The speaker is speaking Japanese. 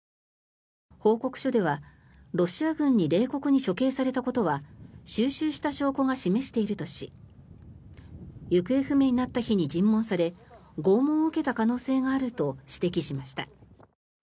報告書ではロシア軍に冷酷に処刑されたことは収集した証拠が示しているとし行方不明になった日に尋問され拷問を受けた可能性があると指摘しました。